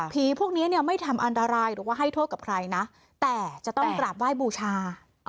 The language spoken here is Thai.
พวกนี้เนี่ยไม่ทำอันตรายหรือว่าให้โทษกับใครนะแต่จะต้องกราบไหว้บูชา